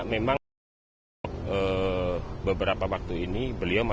memang beberapa waktu ini beliau masih berusaha